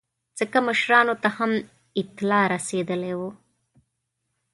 سیکه مشرانو ته هم اطلاع رسېدلې وه.